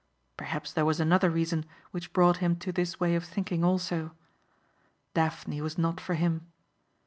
Perhaps there was another reason which brought him to this way of thinking also. Daphne was not for him.